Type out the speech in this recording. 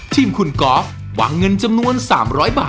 ทีมคุณกอล์ฟวางเงินจำนวน๓๐๐บาท